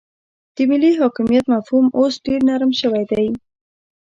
د ملي حاکمیت مفهوم اوس ډیر نرم شوی دی